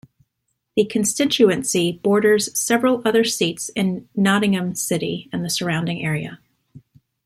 The constituency borders several other seats in Nottingham city and the surrounding area.